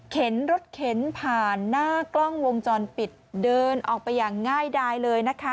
รถเข็นผ่านหน้ากล้องวงจรปิดเดินออกไปอย่างง่ายดายเลยนะคะ